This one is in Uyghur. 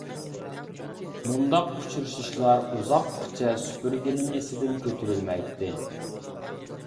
مۇنداق ئۇچرىشىشلار ئۇزاققىچە سۈپۈرگىنىڭ ئېسىدىن كۆتۈرۈلمەيتتى.